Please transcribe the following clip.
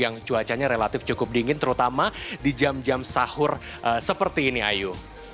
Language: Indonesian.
yang cuacanya relatif cukup dingin terutama di jam jam sahur seperti ini ayu